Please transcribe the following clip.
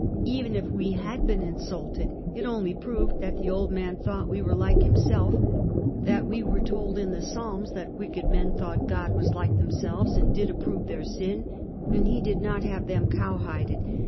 Even if we had been insulted, it only proved that the old man thought we were like himself — that we were told in the Psalms that wicked men thought God was like themselves, and did approve their sin, and he did not have them cowhided.